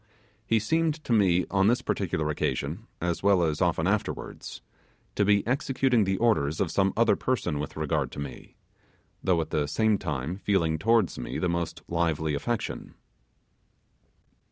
He seemed to me on this particular occasion, as well as often afterwards, to be executing the orders of some other person with regard to me, though at the same time feeling towards me the most lively affection.